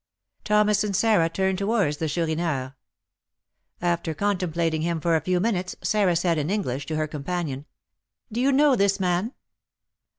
Thomas and Sarah turned towards the Chourineur. After contemplating him for a few minutes, Sarah said, in English, to her companion, "Do you know this man?"